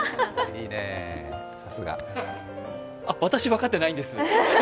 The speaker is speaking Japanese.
私、分かってないんです。